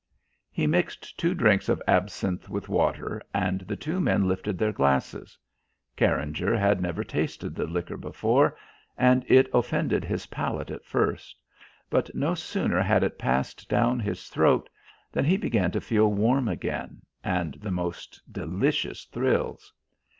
He mixed two drinks of absinthe and water, and the two men lifted their glasses. Carringer had never tasted the liquor before, and it offended his palate at first; but no sooner had it passed down his throat than he began to feel warm again, and the most delicious thrills.